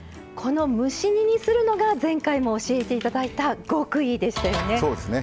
蒸し煮にするのが前回も教えていただいた極意ですよね。